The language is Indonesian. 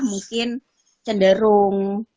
itu mungkin cenderung